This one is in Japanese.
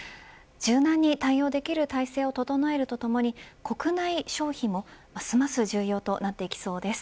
柔軟に対応できる体制を整えるとともに国内消費もますます重要となってきそうです。